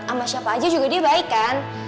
sama siapa aja juga dia baik kan